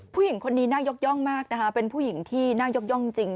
ผู้หญิงคนนี้น่ายกย่องมากนะคะเป็นผู้หญิงที่น่ายกย่องจริง